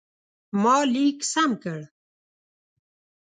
ما لیک سم کړ.